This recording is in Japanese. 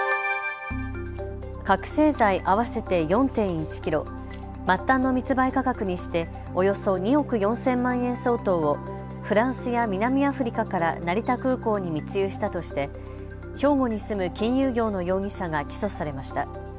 覚醒剤合わせて４．１キロ、末端の密売価格にしておよそ２億４０００万円相当をフランスや南アフリカから成田空港に密輸したとして兵庫に住む金融業の容疑者が起訴されました。